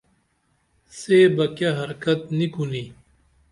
سے بہ کیہ حرکت نی کونی